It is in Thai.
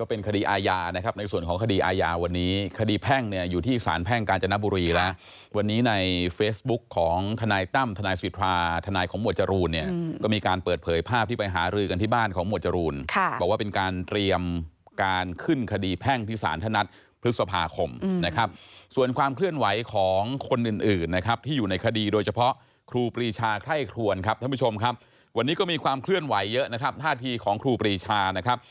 ก็เป็นคดีอาญานะครับในส่วนของคดีอาญาวันนี้คดีแพ่งเนี่ยอยู่ที่สารแพ่งกาญจนบุรีแล้วันนี้ในเฟซบุ๊คของทนายตั้มทนายสิทธาทนายของหมวดจรูนเนี่ยก็มีการเปิดเผยภาพที่ไปหารือกันที่บ้านของหมวดจรูนบอกว่าเป็นการเตรียมการขึ้นคดีแพ่งที่สารถนัดพฤษภาคมนะครับส่วนความเคลื่อนไหวของคนอ